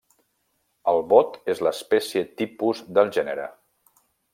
El bot és l'espècie tipus del gènere.